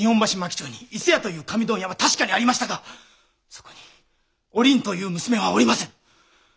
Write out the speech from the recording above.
町に伊勢屋という紙問屋は確かにありましたがそこにお倫という娘はおりません。